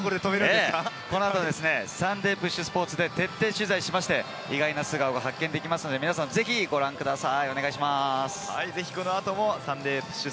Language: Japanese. この後、『サンデーＰＵＳＨスポーツ』で徹底取材して、意外な素顔が発見できますので、皆さんぜひご覧ください。